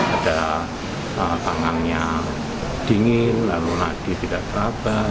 ada tangannya dingin lalu nadi tidak teraba